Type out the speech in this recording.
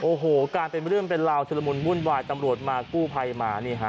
โอ้โหกลายเป็นเรื่องเป็นราวชุดละมุนวุ่นวายตำรวจมากู้ภัยมานี่ฮะ